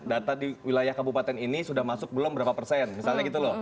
data di wilayah kabupaten ini sudah masuk belum berapa persen misalnya gitu loh